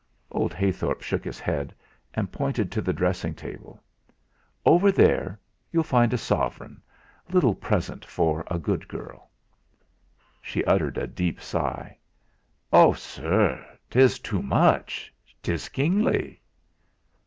Old Heythorp shook his head, and pointed to the dressing table. "Over there you'll find a sovereign. Little present for a good girl." She uttered a deep sigh. "Oh! sirr, 'tis too much; 'tis kingly."